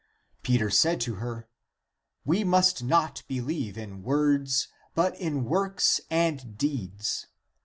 Peter said to her, We must not believe in words, but in works and deeds.